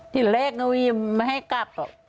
ที่แรกมันไม่ให้กลับ